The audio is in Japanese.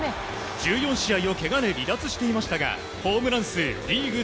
１４試合をけがで離脱していましたがホームラン数リーグ